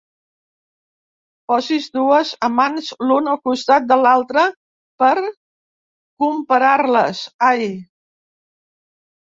Posis dues amants l'una al costat de l'altra per comparar-les, ai.